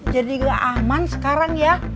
jadi nggak aman sekarang ya